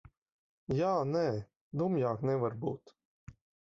Jā, nē. Dumjāk nevar būt.